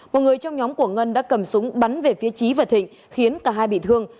một người trong nhóm của ngân đã cầm súng bắn về phía trí và thịnh khiến cả hai bị thương